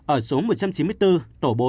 ở số một trăm chín mươi bốn tổ bốn